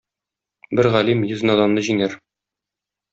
Бер галим йөз наданны җиңәр.